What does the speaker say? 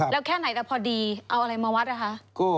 แล้วแค่ไหนแต่พอดีเอาอะไรมาวัดนะคะ